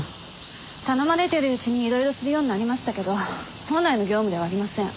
頼まれてるうちにいろいろするようになりましたけど本来の業務ではありません。